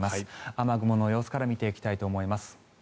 雨雲の様子から見ていきたいと思います。